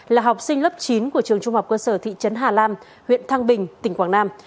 là học sinh lớp chín của trường trung học cơ sở thị trấn hà lam huyện thăng bình tỉnh quảng nam